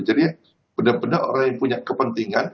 jadi benar benar orang yang punya kepentingan